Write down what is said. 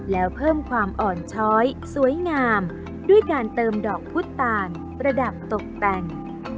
แล้วเพิ่มความอ่อนช้อยสวยงามด้วยการเติมดอกพุทธตาลประดับตกแต่ง